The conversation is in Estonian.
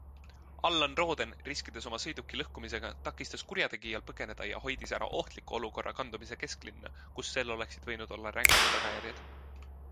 Allan Rooden, riskides oma sõiduki lõhkumisega, takistas kurjategijal põgeneda ja hoidis ära ohtliku olukorra kandumise kesklinna, kus sel oleksid võinud olla rängad tagajärjed.